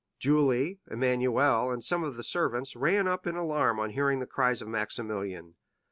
Julie, Emmanuel, and some of the servants, ran up in alarm on hearing the cries of Maximilian.